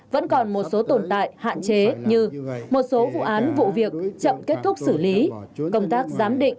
vẫn còn một số tồn tại hạn chế như một số vụ án vụ việc chậm kết thúc xử lý công tác giám định